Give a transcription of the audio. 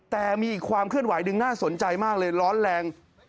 แต่มีอีกความเคลื่อนไหวหนึ่งน่าสนใจมากเลยร้อนแรง